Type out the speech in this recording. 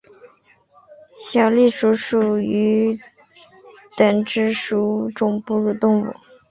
小啸鼠属等之数种哺乳动物。